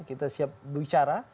kita siap bicara